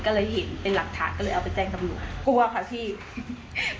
ก็เลยเห็นเป็นหลักฐานก็เลยเอาไปแจ้งตำรวจ